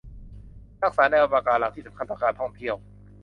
รักษาแนวปะการังที่สำคัญต่อการท่องเที่ยว